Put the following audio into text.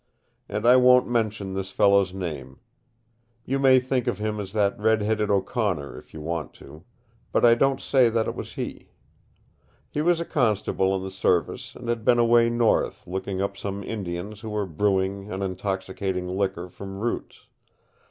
"And I won't mention this fellow's name. You may think of him as that red headed O'Connor, if you want to. But I don't say that it was he. He was a constable in the Service and had been away North looking up some Indians who were brewing an intoxicating liquor from roots.